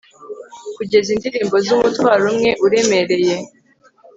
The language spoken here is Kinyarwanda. kugeza indirimbo ze umutwaro umwe uremereye